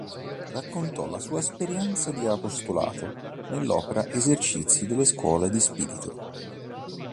Raccontò la sua esperienza di apostolato nell'opera "Esercizi delle scuole di spirito".